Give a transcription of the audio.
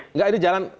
enggak ini jalan